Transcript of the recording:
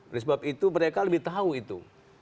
oleh sebab itu mereka lebih tahu itu